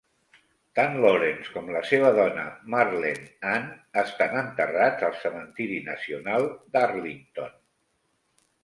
Tant Lawrence com la seva dona Marlene Ann estan enterrats al cementiri nacional d'Arlington.